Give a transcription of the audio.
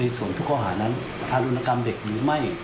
ส่วนทุกข้อหานั้นทารุณกรรมเด็กหรือไม่